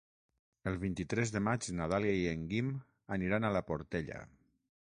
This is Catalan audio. El vint-i-tres de maig na Dàlia i en Guim aniran a la Portella.